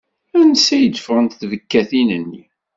Ansa i d-ffɣent tbekkatin-nni?